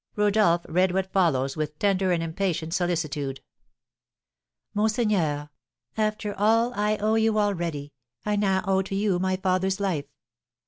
Rodolph read what follows with tender and impatient solicitude: "MONSEIGNEUR: After all I owe you already, I now owe to you my father's life.